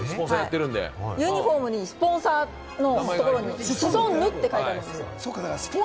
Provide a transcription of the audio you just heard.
ユニホームにスポンサーのところにシソンヌって書いてあります。